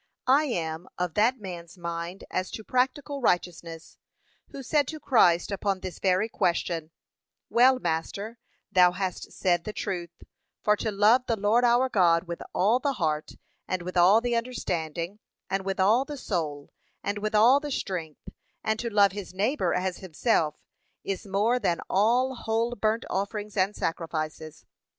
I am of that man's mind as to practical righteousness, who said to Christ upon this very question, 'Well, master, thou hast said the truth; for to love the Lord our God with all the heart, and with all the understanding, and with all the soul, and with all the strength, and to love his neighbour as himself, is more than all whole burnt offerings and sacrifices.'